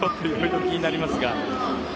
気になりますが。